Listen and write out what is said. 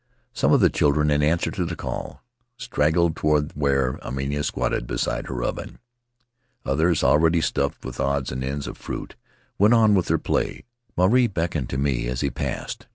Some of the children, in answer to the call, straggled toward where Airima squatted beside her oven; others, already stuffed with odds and ends of fruit, went on with their play. Maruae beckoned to me as he passed.